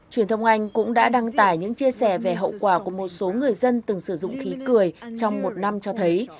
truyền thông anh cũng đã đăng tải những chia sẻ về hậu quả của một số người dân từng sử dụng khí cười trong một năm cho thấy